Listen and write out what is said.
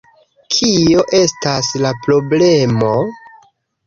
Kio estas la problemo?